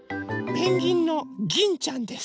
ペンギンのギンちゃんです。